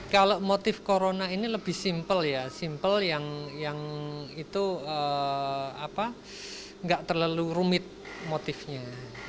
kalau motif corona ini lebih simpel ya simple yang itu nggak terlalu rumit motifnya